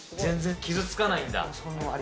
傷つかないんだ。